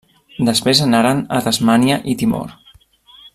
Després anaren a Tasmània i Timor.